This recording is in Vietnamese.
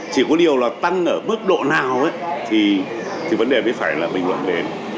chỉ có điều là tăng ở mức độ nào thì vấn đề phải là mình luận đến